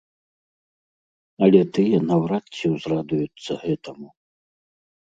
Але тыя наўрад ці ўзрадуюцца гэтаму.